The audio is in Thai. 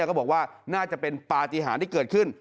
แล้วก็บอกว่าน่าจะเป็นปฏิหารที่เกิดขึ้น